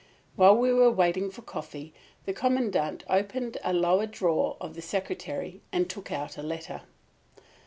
While we were waiting for coffee the Commandant opened the lower drawer of a secretary and took out a letter.